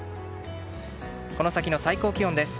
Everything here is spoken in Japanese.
この先の最高気温です。